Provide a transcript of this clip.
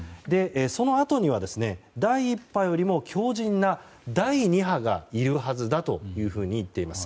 そのあとには第１波よりも強靭な第２波がいるはずだと言っています。